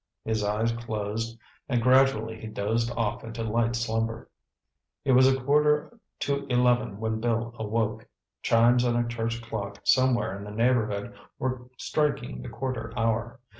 His eyes closed and gradually he dozed off into light slumber. It was a quarter to eleven when Bill awoke. Chimes on a church clock somewhere in the neighborhood were striking the quarter hour.